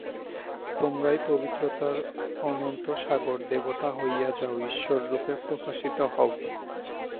তোমরাই পবিত্রতার অনন্ত সাগর! দেবতা হইয়া যাও, ঈশ্বররূপে প্রকাশিত হও।